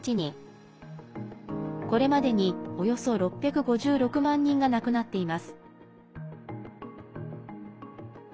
これまでに、およそ６５６万人が亡くなっています。